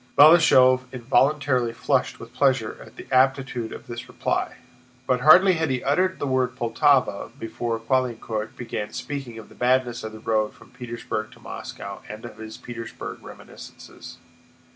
Balashëv involuntarily flushed with pleasure at the aptitude of this reply, but hardly had he uttered the word Poltáva before Caulaincourt began speaking of the badness of the road from Petersburg to Moscow and of his Petersburg reminiscences.